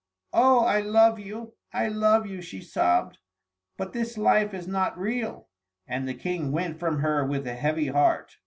"Oh, I love you! I love you," she sobbed, "but this life is not real." And the King went from her with a heavy heart.